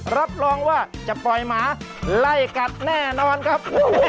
รับรองว่าจะปล่อยหมาไล่กัดแน่นอนครับ